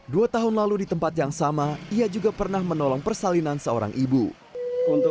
dua tahun lalu di tempat yang sama ia juga pernah menolong persalinan seorang ibu untuk